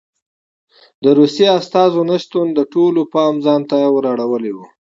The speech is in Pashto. د روسیې استازو نه شتون د ټولو پام ځان ته ور اړولی و.